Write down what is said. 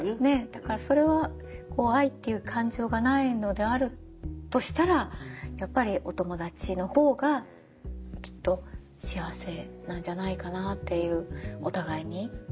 だからそれは愛っていう感情がないのであるとしたらやっぱりお友達のほうがきっと幸せなんじゃないかなっていうお互いに。